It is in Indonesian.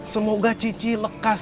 semoga cici lekasnya